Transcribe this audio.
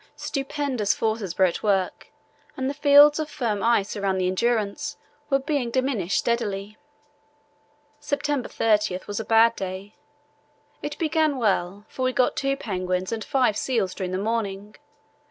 Stupendous forces were at work and the fields of firm ice around the Endurance were being diminished steadily. September 30 was a bad day. It began well, for we got two penguins and five seals during the morning.